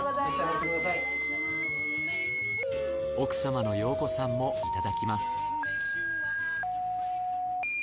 奥様の洋子さんもいただきます。